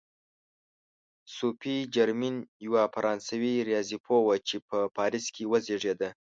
صوفي جرمین یوه فرانسوي ریاضي پوهه وه چې په پاریس کې وزېږېده.